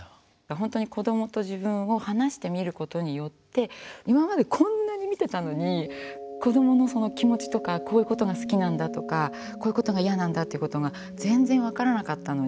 本当に子どもと自分を離して見ることによって今までこんなに見てたのに子どものその気持ちとかこういうことが好きなんだとかこういうことが嫌なんだっていうことが全然分からなかったのに。